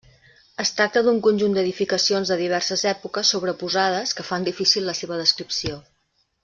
Es tracta d’un conjunt d’edificacions de diverses èpoques sobreposades que fan difícil la seva descripció.